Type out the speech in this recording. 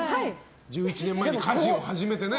１１年前に家事を始めて。